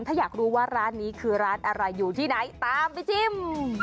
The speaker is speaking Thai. ถ้าอยากรู้ว่าร้านนี้คือร้านอะไรอยู่ที่ไหนตามไปชิม